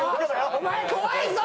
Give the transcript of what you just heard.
お前怖いぞ！